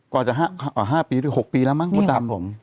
กว่าจาก๕ปีด้วย๖ปีแล้วมั้งผม